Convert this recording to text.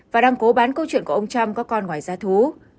và đang cố bán câu chuyện của ông trump có con ngoài ra thú